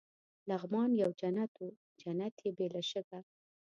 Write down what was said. لغمان یو جنت وو، جنت يې بې له شکه.